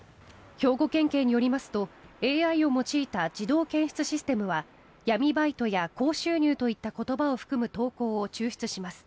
兵庫県警によりますとＡＩを用いた自動検出システムは闇バイトや高収入といった言葉を含む投稿を抽出します。